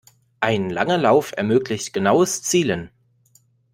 Ein langer Lauf ermöglicht genaues Zielen.